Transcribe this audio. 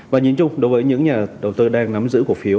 và nhìn chung đối với những nhà đầu tư đang nắm giữ cổ phiếu